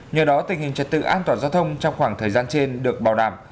nhờ đó tình hình trật tự an toàn giao thông trong khoảng thời gian trên được bảo đảm